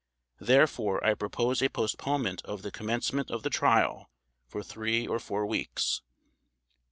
Therefore I propose a postponement of the commencement of the Trial for three or four weeks.